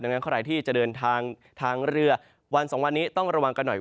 ดังนั้นใครที่จะเดินทางทางเรือวันสองวันนี้ต้องระวังกันหน่อย